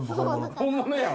本物やわ。